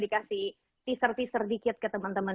dikasih teaser teaser dikit ke temen temen